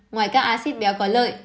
ngoài các acid béo có lợi